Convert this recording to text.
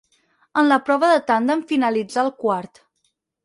En la prova de tàndem finalitzà el quart.